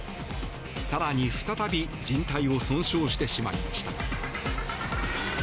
更に再びじん帯を損傷してしまいました。